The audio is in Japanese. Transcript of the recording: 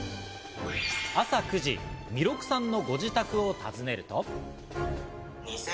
朝９時、弥勒さんのご自宅を訪ねると。